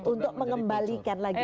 untuk mengembalikan lagi